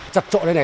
chập trộn đây này